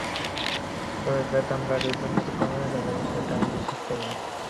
তবে বেতন বাড়লেই দুর্নীতি কমে যাবে, সেটা আমি বিশ্বাস করি না।